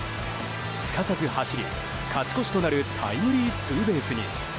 すかさず走り、勝ち越しとなるタイムリーツーベースに。